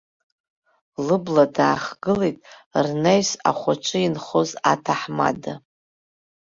Лыбла даахгылеит рнаҩс, ахәаҿы инхоз аҭаҳмада.